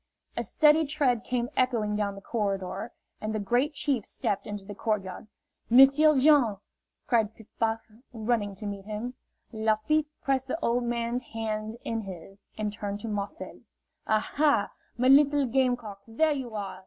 A steady tread came echoing down the corridor, and the Great Chief stepped into the court yard. "M'sieu' Jean!" cried Piff Paff, running to meet him. Lafitte pressed the old man's hands in his, and turned to Marcel. "Aha, my little game cock, there you are!"